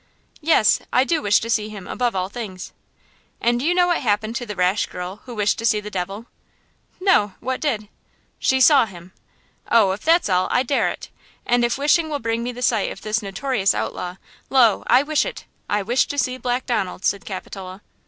"Yes, I do wish to see him above all things!" "And do you know what happened the rash girl who wished to see the devil!" "No–what did?" "She saw him!" "Oh, if that's all, I dare it! And if wishing will bring me the sight of this notorious outlaw, lo, I wish it! I wish to see Black Donald!" said Capitola.